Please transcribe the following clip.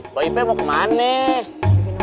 mbak ipe mau kemana nih